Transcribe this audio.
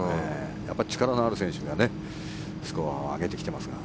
やっぱり力のある選手がスコアを上げてきていますが。